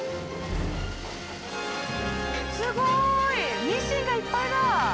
すごい！ミシンがいっぱいだ！